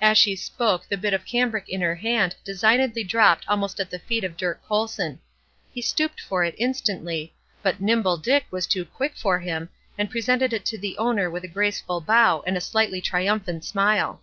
As she spoke the bit of cambric in her hand designedly dropped almost at the feet of Dirk Colson. He stooped for it instantly, but "Nimble Dick" was too quick for him, and presented it to the owner with a graceful bow, and a slightly triumphant smile.